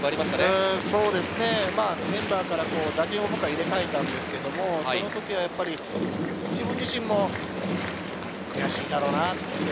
メンバーから打順を入れ替えたんですけれど、その時は自分自身も悔しいだろうなって。